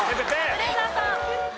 カズレーザーさん。